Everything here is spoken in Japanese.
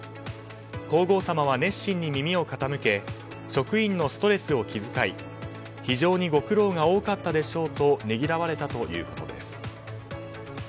皇后さまは熱心に耳を傾け職員のストレスを気遣い非常にご苦労が多かったでしょうとねぎらわれたということです。